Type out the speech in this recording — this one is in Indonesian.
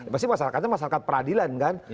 pasti masyarakatnya masyarakat peradilan kan